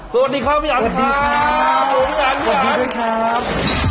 สวัสดีครับพี่อันสวัสดีครับสวัสดีครับ